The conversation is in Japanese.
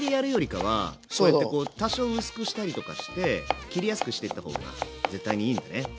こうやって多少薄くしたりとかして切りやすくしてった方が絶対にいいんだね。